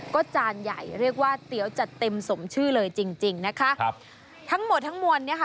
ก็จานใหญ่เรียกว่าเตี๋ยวจัดเต็มสมชื่อเลยจริงจริงนะคะครับทั้งหมดทั้งมวลเนี่ยค่ะ